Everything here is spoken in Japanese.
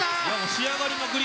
仕上がりまくり！